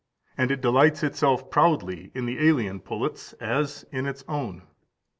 And it delights itself proudly in the alien pullets as in its own.